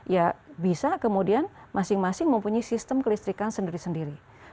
ya bisa kemudian masing masing mempunyai sistem kelistrikan sendiri sendiri